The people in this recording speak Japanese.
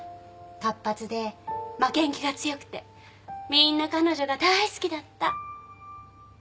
活発で負けん気が強くてみんな彼女が大好きだった。